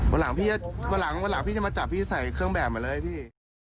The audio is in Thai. ว่าหลังพี่จะมาจับพี่ใส่เครื่องแบบมาเลยพี่